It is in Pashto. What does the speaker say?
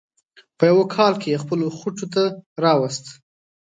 په یوه کال کې یې خپلو خوټو ته راوست.